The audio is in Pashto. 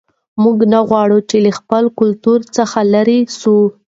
موږ نه غواړو چې له خپل کلتور څخه لیرې سو.